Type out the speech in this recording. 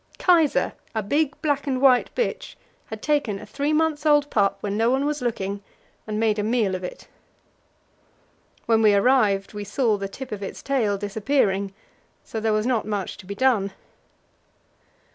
Kaisa, a big black and white bitch, had taken a three months old pup when no one was looking, and made a meal off it. When we arrived we saw the tip of its tail disappearing, so there was not much to be done.